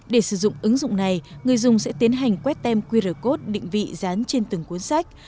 để sử dụng ứng dụng này người dùng sẽ tiến hành quét tem qr code định vị dán trên từng cuốn sách